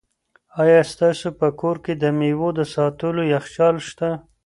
آیا ستاسو په کور کې د مېوو د ساتلو یخچال شته؟